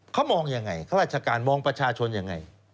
เขามองยังไงข้าราชการมองประชาชนยังไง